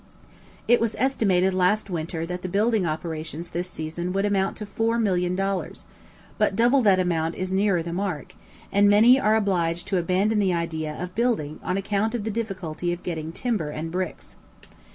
It was estimated last winter that the building operations this season would amount to four million dollars, but double that amount is nearer the mark, and many are obliged to abandon the idea of building on account of the difficulty of getting timber and bricks.